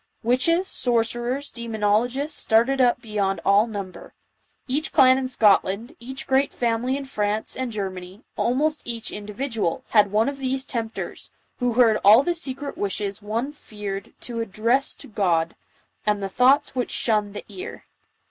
Witches, sorcerers, demonologists, started up beyond all number. Each clan in Scotland, each great family in France and Germany, almost each individual, had one of these tempters, who heard all the secret wishes one feared to JOAN OF ARC. 141 address to God, and the thoughts which shunned the ear.